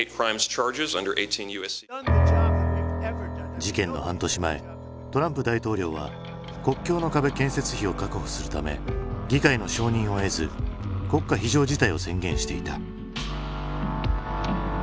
事件の半年前トランプ大統領は国境の壁建設費を確保するため議会の承認を得ず国家非常事態を宣言していた。